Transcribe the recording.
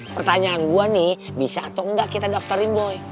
pertanyaan gua nih bisa atau enggak kita daftarin boy